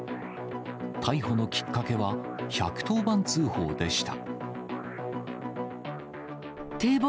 逮捕のきっかけは１１０番通報でした。